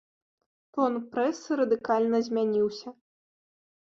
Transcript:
Тон прэсы радыкальна змяніўся.